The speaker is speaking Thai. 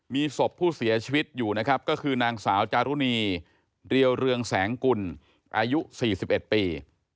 มีศพผู้เสียชีวิตอยู่นะครับก็คือนางสาวจารุณีเรียวเรืองแสงกุลอายุ๔๑ปี